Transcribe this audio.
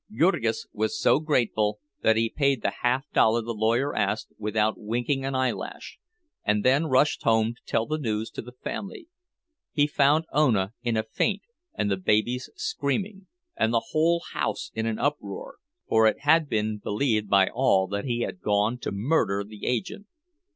Jurgis was so grateful that he paid the half dollar the lawyer asked without winking an eyelash, and then rushed home to tell the news to the family. He found Ona in a faint and the babies screaming, and the whole house in an uproar—for it had been believed by all that he had gone to murder the agent.